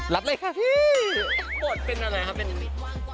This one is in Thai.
รับเลยค่ะพี่